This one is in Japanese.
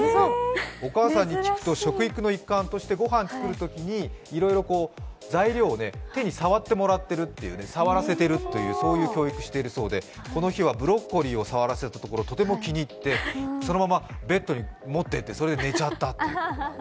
お母さんに聞くと、食育の一環としてご飯を作るときにいろいろ材料を手に触らせているという教育をしているそうでこの日はブロッコリーを触らせたところ、とても気に入って、そのままベッドに持っていってそのまま寝ちゃったっていう。